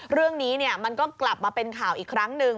เรื่องนี้มันก็กลับมาเป็นข่าวอีกครั้งหนึ่ง